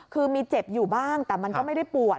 คือมีเจ็บอยู่บ้างแต่มันก็ไม่ได้ปวด